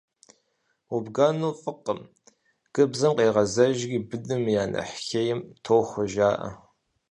Убгэну фӏыкъым, гыбзэм къегъэзэжри быным я нэхъ хейм тохуэ, жаӀэ.